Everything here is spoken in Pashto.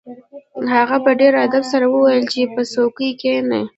هغه په ډیر ادب سره وویل چې په څوکۍ کښیني